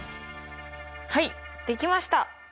はいできました！